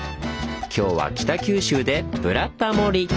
今日は北九州で「ブラタモリ」！